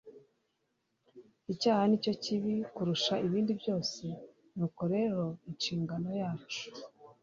Icyaha ni cyo kibi kurusha ibindi byose, nuko rero inshingano yacu